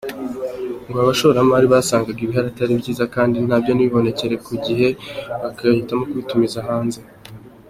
Ngo abashoramari basangaga ibihari atari byiza kandi nabyo ntibibonekere ku gihe bagahitamo kubitumiza hanze.